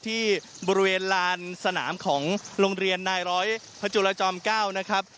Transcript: ที่บริเวณลานสนามของโรงเรียนนายร้อยพระจุลจอม๙นะครับ